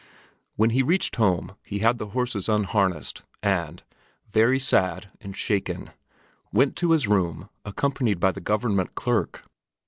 When he reached home he had the horses unharnessed, and, very sad and shaken, went to his room accompanied by the government clerk.